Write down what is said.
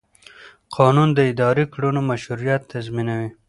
قانون د اداري کړنو مشروعیت تضمینوي.